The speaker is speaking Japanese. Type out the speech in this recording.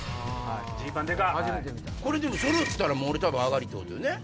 これ揃ったら俺多分上がりってことよね？